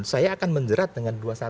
saya akan menjerat dengan dua ratus dua belas